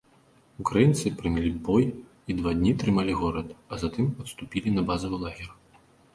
Украінцы прынялі бой і два дні трымалі горад, а затым адступілі на базавы лагер.